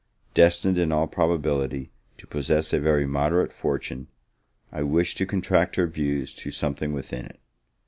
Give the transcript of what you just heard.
Destined, in all probability, to possess a very moderate fortune, I wished to contract her views to something within it.